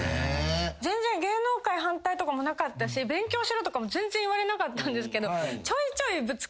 全然芸能界反対とかもなかったし勉強しろとかも全然言われなかったんですけど。